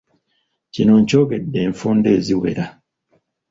Kino nkyogedde enfunda eziwera